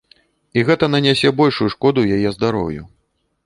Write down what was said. І гэта нанясе большую шкоду яе здароўю.